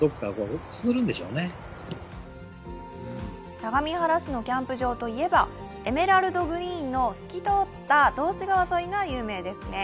相模原市のキャンプ場といえばエメラルドグリーンの透き通った道志川沿いが有名ですね。